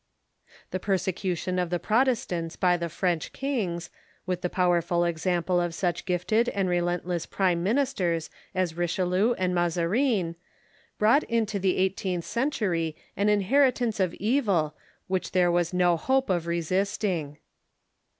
The persecution of the Protestants by the French kings, with the powerful example of such gifted and relentless prime ministers as Ivichelieu and Mazarin, brought into the eigh teenth century an inheritance of evil which there was no hope of resisting.